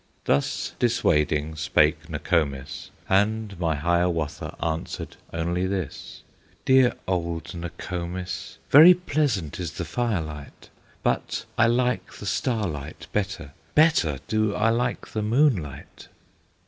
Thus dissuading spake Nokomis, And my Hiawatha answered Only this: "Dear old Nokomis, Very pleasant is the firelight, But I like the starlight better, Better do I like the moonlight!"